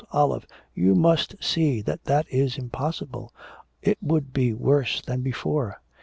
Olive, you must see that that is impossible. It would be worse than before.'